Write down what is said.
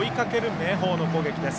明豊の攻撃です。